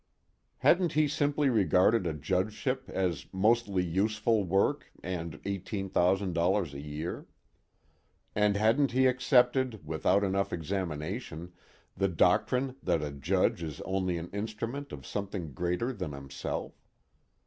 Hadn't he simply regarded a judgeship as mostly useful work and $18,000 a year? And hadn't he accepted, without enough examination, the doctrine that a judge is only an instrument of something greater than himself?